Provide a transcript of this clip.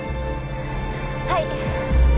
はい。